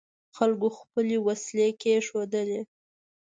خلکو خپلې وسلې کېښودلې.